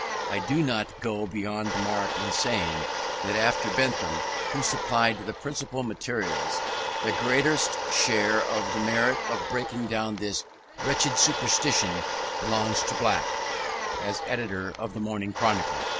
I do not go beyond the mark in saying, that after Bentham, who supplied the principal materials, the greatest share of the merit of breaking down this wretched superstition belongs to Black, as editor of the Morning Chronicle.